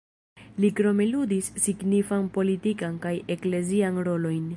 Li krome ludis signifan politikan kaj eklezian rolojn.